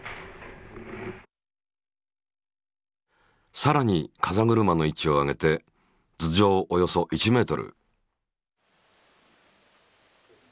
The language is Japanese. さらに風車の位置を上げて頭上およそ１ｍ。